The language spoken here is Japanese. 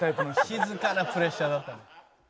静かなプレッシャーだった。